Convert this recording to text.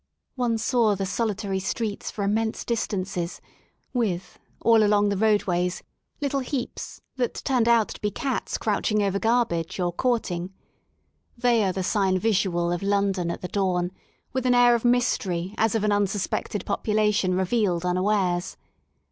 One saw the solitary streets for immense distances with, all along the roadways, little heaps that turned out to be cats crouching over garbage or courting^ they are the sign visual of London at the dawn, with an air of mystery as of an unsuspected population re vealed unawares.